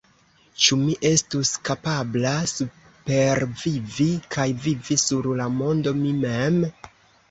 Ĉu mi estus kapabla supervivi kaj vivi sur la mondo mi mem?